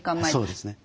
そうですね。